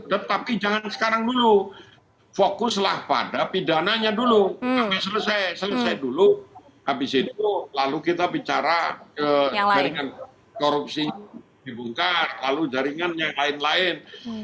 tetapi jangan sekarang dulu fokuslah pada pidananya dulu sampai selesai selesai dulu habis itu lalu kita bicara jaringan korupsi dibuka lalu jaringan yang lain lain